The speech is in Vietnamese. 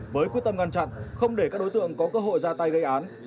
với quyết tâm ngăn chặn không để các đối tượng có cơ hội ra tay gây án